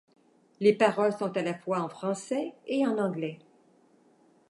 Les paroles sont à la fois en français et en anglais.